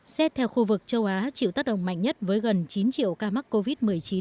xét theo khu vực châu á chịu tác động mạnh nhất với gần chín triệu ca mắc covid một mươi chín